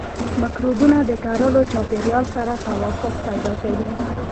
مکروبونه د کرلو چاپیریال سره توافق پیدا کوي.